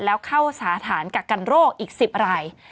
แล้วเข้าสาขากักกันโรคอีก๑๐ราย